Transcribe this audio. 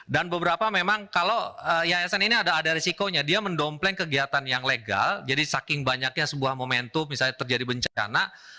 dan beberapa memang kalau yayasan ini ada risikonya dia mendompleng kegiatan yang legal jadi saking banyaknya sebuah momentum misalnya terjadi bencana